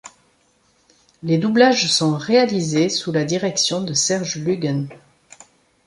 Les doublages sont réalisés sous la direction de Serge Luguen.